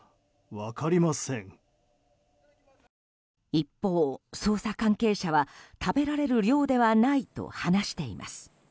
一方、捜査関係者は食べられる量ではないと話しています。